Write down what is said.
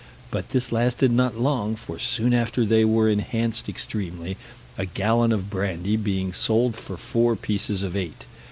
But this lasted not long, for soon after they were enhanced extremely, a gallon of brandy being sold for four pieces of eight.